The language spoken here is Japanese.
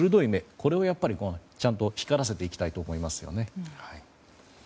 これをちゃんと光らせていきたいと思いますね。